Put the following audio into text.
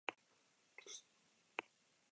Bada, ez izan itxaropen handiegirik.